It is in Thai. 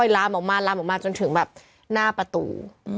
ลามออกมาลามออกมาจนถึงแบบหน้าประตู